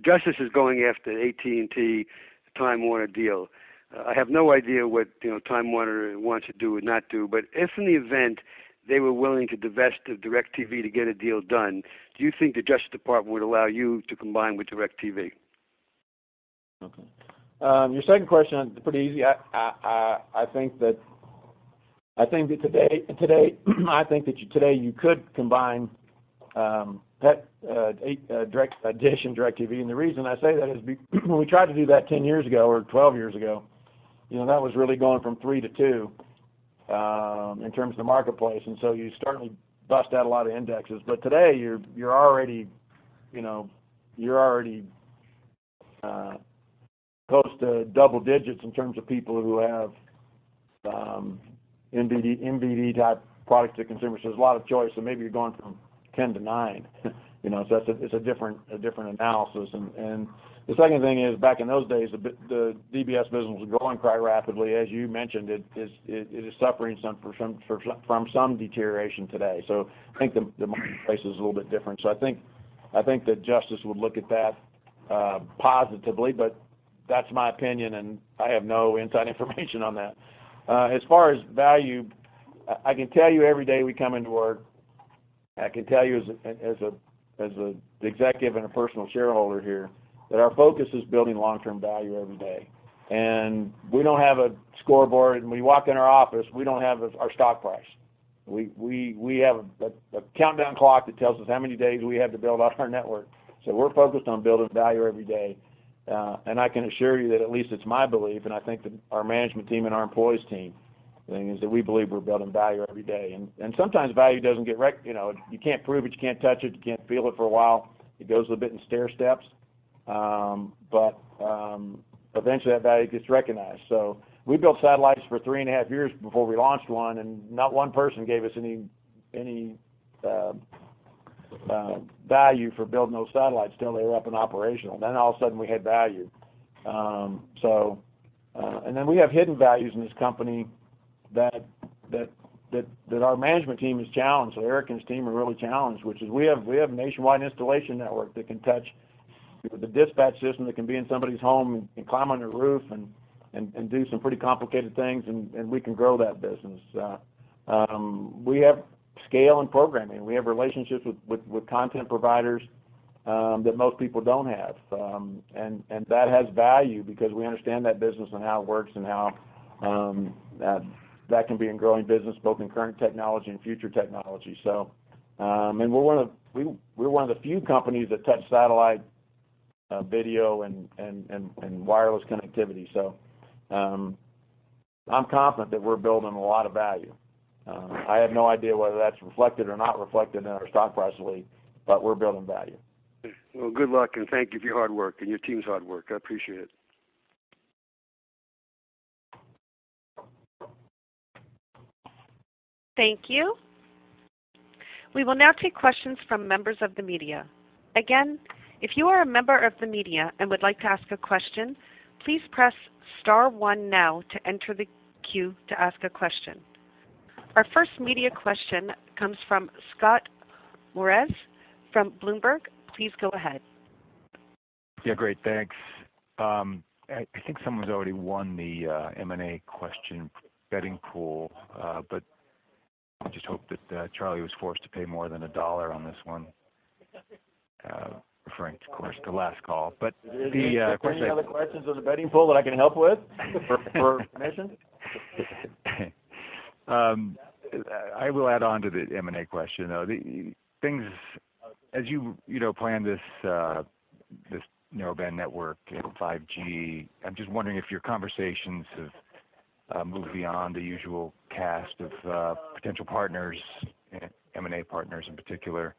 Justice is going after AT&T-Time Warner deal. I have no idea what, you know, Time Warner wants to do or not do. If in the event they were willing to divest of DirecTV to get a deal done, do you think the Justice Department would allow you to combine with DirecTV? Okay. Your second question, pretty easy. I think that today you could combine that, a DISH and DirecTV. The reason I say that is when we tried to do that 10 years ago or 12 years ago, you know, that was really going from three to two in terms of the marketplace. You certainly bust out a lot of indexes. Today, you're already, you know, close to double digits in terms of people who have MVPD-type products to consumers. There's a lot of choice, so maybe you're going from 10 to 9. You know, it's a different analysis. The second thing is, back in those days, the DBS business was growing quite rapidly. As you mentioned, it is suffering from some deterioration today. I think the marketplace is a little bit different. I think that Justice would look at that positively. That's my opinion, and I have no inside information on that. As far as value, I can tell you every day we come into work, I can tell you as a executive and a personal shareholder here, that our focus is building long-term value every day. We don't have a scoreboard. When we walk in our office, we don't have our stock price. We have a countdown clock that tells us how many days we have to build out our network. We're focused on building value every day. I can assure you that at least it's my belief, and I think that our management team and our employees team, thing is that we believe we're building value every day. Sometimes value doesn't get, you know, you can't prove it, you can't touch it, you can't feel it for a while. It goes a bit in stairsteps. Eventually, that value gets recognized. We built satellites for three and a half years before we launched one, and not one person gave us any value for building those satellites till they were up and operational. All of a sudden we had value. We have hidden values in this company that our management team has challenged. Erik and his team have really challenged, which is we have nationwide installation network that can touch the dispatch system, that can be in somebody's home and climb on their roof and do some pretty complicated things, and we can grow that business. We have scale and programming. We have relationships with content providers that most people don't have. And that has value because we understand that business and how it works and how that can be a growing business both in current technology and future technology. And we're one of the few companies that touch satellite video and wireless connectivity. I'm confident that we're building a lot of value. I have no idea whether that's reflected or not reflected in our stock price lately, but we're building value. Well, good luck, and thank you for your hard work and your team's hard work. I appreciate it. Thank you. We will now take questions from members of the media. If you are a member of the media and would like to ask a question, please press star one now to enter the queue to ask a question. Our first media question comes from Scott Moritz from Bloomberg. Please go ahead. Yeah, great. Thanks. I think someone's already won the M&A question betting pool. I just hope that Charlie was forced to pay more than $1 on this one, referring, of course, to last call. Any other questions on the betting pool that I can help with for Commission? I will add on to the M&A question, though. As you know, plan this narrow band network, you know, 5G, I'm just wondering if your conversations have moved beyond the usual cast of potential partners and M&A partners in particular.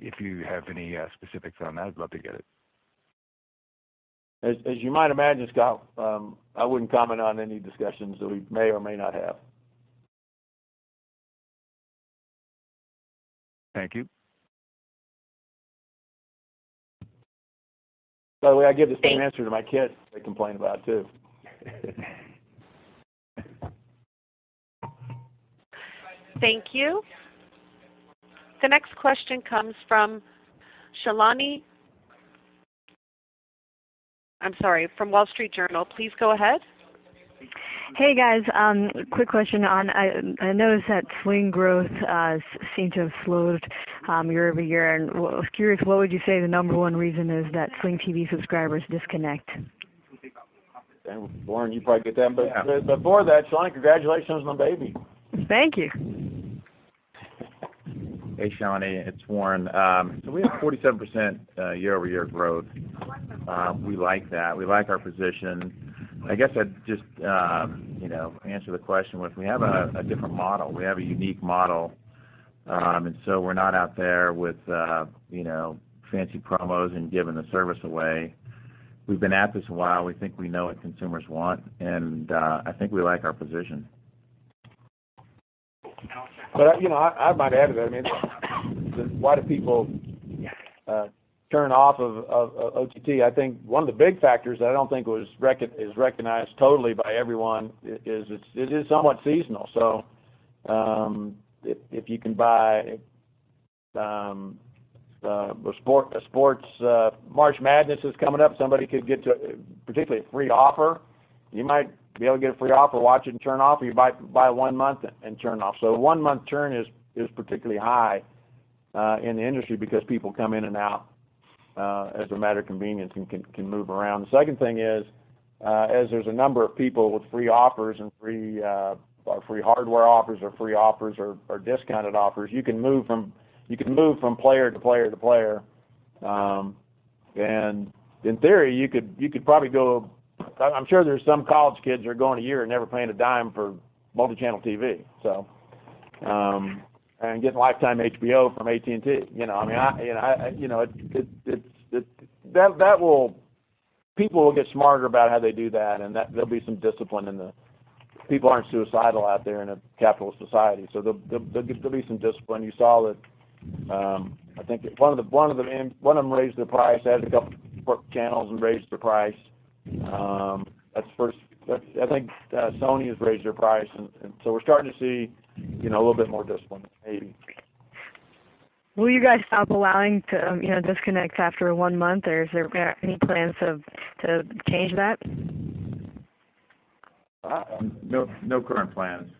If you have any specifics on that, I'd love to get it. As you might imagine, Scott, I wouldn't comment on any discussions that we may or may not have. Thank you. I give the same answer to my kids. They complain about it, too. Thank you. The next question comes from Shalini I'm sorry, from Wall Street Journal. Please go ahead. Hey, guys. I noticed that Sling growth seemed to have slowed year-over-year. Was curious, what would you say the number one reason is that Sling TV subscribers disconnect? Damn, Warren, you probably get that. Yeah. Before that, Shalini, congratulations on the baby. Thank you. Hey, Shalini, it's Warren. We have 47% year-over-year growth. We like that. We like our position. I guess I'd just, you know, answer the question with, we have a different model. We have a unique model. We're not out there with, you know, fancy promos and giving the service away. We've been at this a while. We think we know what consumers want, and I think we like our position. You know, I might add to that. I mean, why do people turn off of OTT? I think one of the big factors that I don't think was recognized totally by everyone is it's, it is somewhat seasonal. If, if you can buy a sport, a sports March Madness is coming up. Somebody could get to particularly a free offer. You might be able to get a free offer, watch it and turn off, or you buy one month and turn off. One month turn is particularly high in the industry because people come in and out as a matter of convenience and can move around. The second thing is, as there's a number of people with free offers or free hardware offers or discounted offers, you can move from player to player to player. In theory, you could probably go I'm sure there's some college kids that are going a year and never paying a dime for multi-channel TV, so, getting lifetime HBO from AT&T. You know, I mean, I, you know, I, you know, That will people will get smarter about how they do that, and that there'll be some discipline and the people aren't suicidal out there in a capitalist society. There'll be some discipline. You saw that, I think one of them raised their price, added a couple channels and raised the price. That's the first, I think, Sony has raised their price and so we're starting to see, you know, a little bit more discipline, maybe. Will you guys stop allowing to, you know, disconnect after one month or is there any plans to change that? No current plans.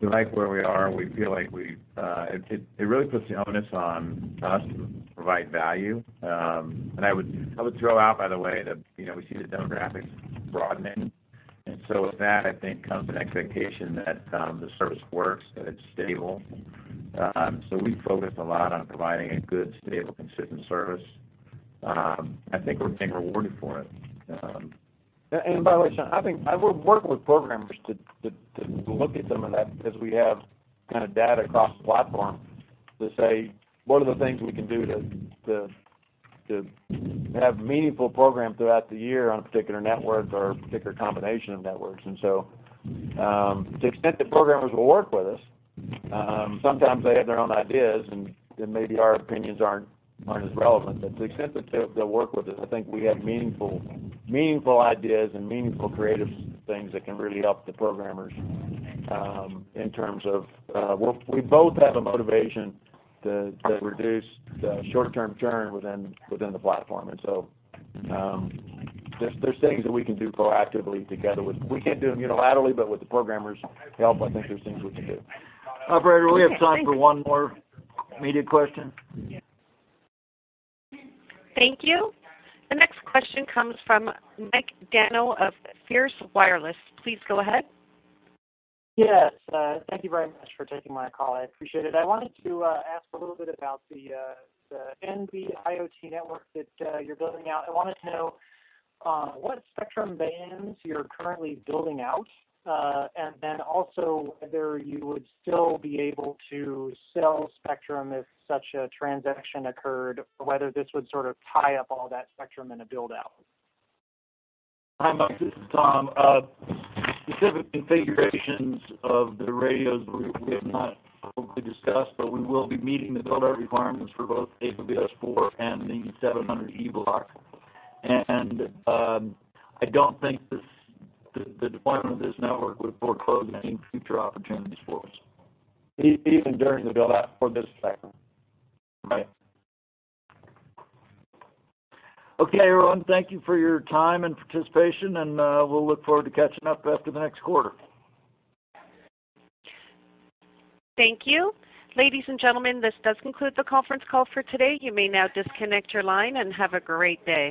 We like where we are. We feel like we It really puts the onus on us to provide value. I would throw out, by the way, that, you know, we see the demographics broadening. With that, I think comes an expectation that the service works, that it's stable. We focus a lot on providing a good, stable, consistent service. I think we're being rewarded for it. By the way, Shalini, I think I would work with programmers to look at some of that because we have kind of data across the platform to say what are the things we can do to have meaningful program throughout the year on a particular network or a particular combination of networks. So, to the extent that programmers will work with us, sometimes they have their own ideas and maybe our opinions aren't as relevant. To the extent that they'll work with us, I think we have meaningful ideas and meaningful creative things that can really help the programmers in terms of, we both have a motivation to reduce the short-term churn within the platform. There's things that we can do proactively. We can't do them unilaterally, but with the programmers' help, I think there's things we can do. Operator, we have time for one more immediate question. Thank you. The next question comes from Mike Dano of FierceWireless. Please go ahead. Yes. Thank you very much for taking my call. I appreciate it. I wanted to ask a little bit about the NB-IoT network that you're building out. I wanted to know what spectrum bands you're currently building out. Whether you would still be able to sell spectrum if such a transaction occurred, or whether this would sort of tie up all that spectrum in a build-out? Hi, Mike, this is Tom. Specific configurations of the radios, we have not publicly discussed, we will be meeting the build-out requirements for both AWS-4 and the 700 E Block. I don't think the deployment of this network would foreclose any future opportunities for us. Even during the build-out for this spectrum. Right. Okay, everyone. Thank you for your time and participation, and we'll look forward to catching up after the next quarter. Thank you. Ladies and gentlemen, this does conclude the conference call for today. You may now disconnect your line and have a great day.